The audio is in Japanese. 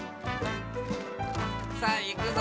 さあいくぞ。